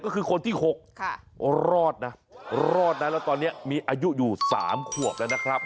ก็คือคนที่๖รอดนะรอดนะแล้วตอนนี้มีอายุอยู่๓ขวบแล้วนะครับ